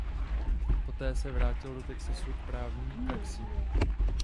Poté se vrátil do Texasu k právní praxi.